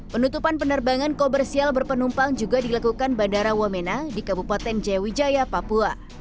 penutupan penerbangan komersial berpenumpang juga dilakukan bandara womena di kabupaten jaya wijaya papua